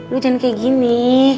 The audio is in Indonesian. lo jangan kayak gini